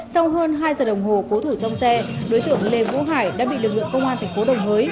sau hơn hai giờ đồng hồ cố thủ trong xe đối tượng lê vũ hải đã bị lực lượng công an thành phố đồng hới